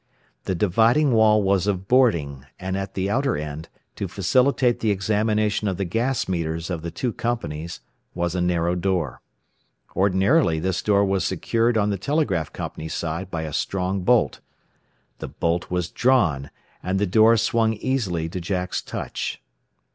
The dividing wall was of boarding, and at the outer end, to facilitate the examination of the gas metres of the two companies, was a narrow door. Ordinarily this door was secured on the telegraph company's side by a strong bolt. The bolt was drawn, and the door swung easily to Jack's touch!